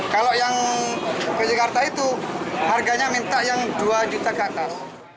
kalau yang ke jakarta itu harganya minta yang dua juta ke atas